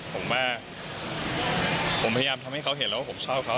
ผมว่าผมพยายามทำให้เขาเห็นแล้วว่าผมชอบเขา